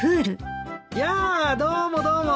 やあどうもどうも。